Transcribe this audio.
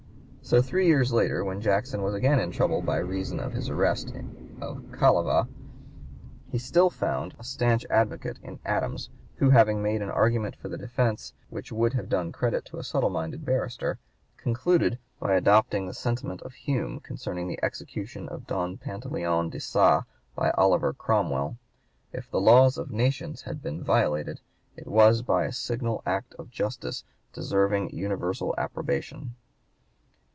So three years later when Jackson was again in trouble by reason of his arrest of Callava, he still found a stanch advocate in Adams, who, having made an argument for the defence which would have done credit to a subtle minded barrister, concluded by adopting the sentiment of Hume concerning the execution of Don Pantaleon de Sa by Oliver Cromwell, if the laws of nations had been violated, "it was by a signal act of justice deserving universal approbation."